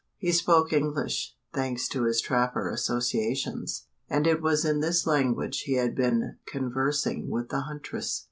He spoke English thanks to his trapper associations: and it was in this language he had been conversing with the huntress.